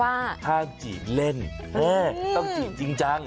ห้ามจีบเล่นต้องจีบจริงจัง